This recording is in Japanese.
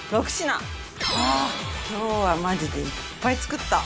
ああ今日はマジでいっぱい作った。